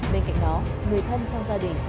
bên cạnh đó người thân trong gia đình